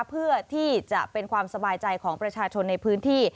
เพื่อที่จะเป็นความสบายใจของประชาชนในพื้นที่